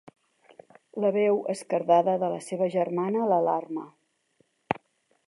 La veu esquerdada de la seva germana l'alarma.